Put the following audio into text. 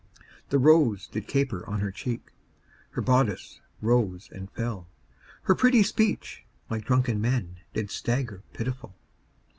The rose did caper on her cheek, Her bodice rose and fell, Her pretty speech, like drunken men, Did stagger pitiful.